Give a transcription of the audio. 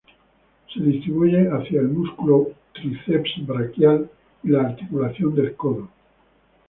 Se distribuye hacia el músculo tríceps braquial y la articulación del codo.